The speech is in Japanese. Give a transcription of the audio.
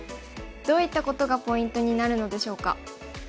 どういったことがポイントになるのでしょうか。